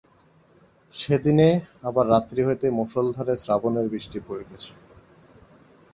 সেদিনে আবার রাত্রি হইতে মুষলধারে শ্রাবণের বৃষ্টি পড়িতেছে।